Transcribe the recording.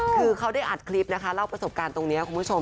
คือเขาได้อัดคลิปนะคะเล่าประสบการณ์ตรงนี้คุณผู้ชม